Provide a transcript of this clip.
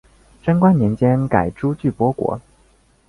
贞观年间改朱俱波国。